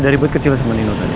ada ribet kecil sama nino tadi